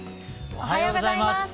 おはようございます！